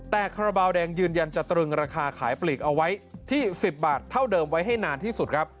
แต่คาราบาลแดงยืนยันจะตรึงราคาขายปลีกเอาไว้ที่๑๐บาทเท่าเดิมไว้ให้นานที่สุดครับ